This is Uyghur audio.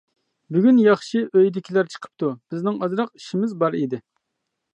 بۈگۈن ياخشى ئۆيدىكىلەر چىقىپتۇ، بىزنىڭ ئازراق ئىشىمىز بار ئىدى.